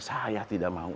saya tidak mau